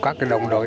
của các đồng đội